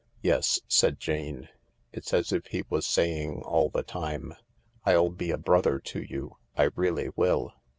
" Yes," said Jane. " It's as if he was saying all the time, ' I'll be a brother to you — I really will.'